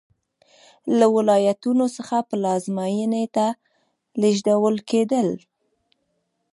له ولایتونو څخه پلازمېنې ته لېږدول کېدل.